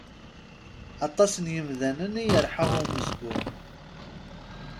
Aṭas n yimdanen i yerḥa umezgun.